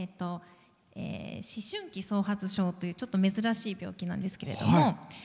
思春期早発症というちょっと珍しい病気なんですけれども。